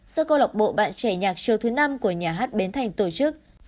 do công lộc bộ bạn trẻ nhạc siêu thứ năm của nhà hát bến thành tổ chức